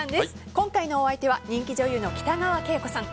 今回のお相手は人気女優の北川景子さん。